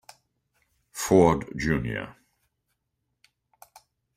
Ford, Jr..